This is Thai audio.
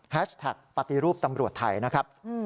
แท็กปฏิรูปตำรวจไทยนะครับ